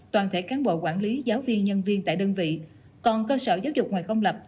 toàn thể cán bộ quản lý giáo viên nhân viên tại đơn vị còn cơ sở giáo dục ngoài công lập